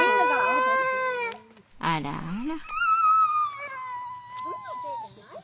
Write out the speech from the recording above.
あらあら。